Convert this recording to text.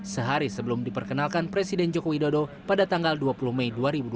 sehari sebelum diperkenalkan presiden joko widodo pada tanggal dua puluh mei dua ribu dua puluh